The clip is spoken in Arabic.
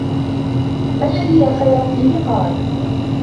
مَا الَّذِي لَا خَيْرَ فِيهِ ؟ قَالَ